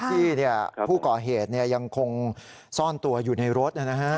ที่ผู้ก่อเหตุยังคงซ่อนตัวอยู่ในรถนะฮะ